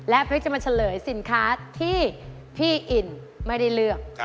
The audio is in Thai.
พริกจะมาเฉลยสินค้าที่พี่อินไม่ได้เลือก